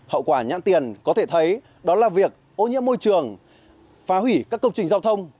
hậu quả nhãn tiền có thể thấy đó là việc ô nhiễm môi trường phá hủy các công trình giao thông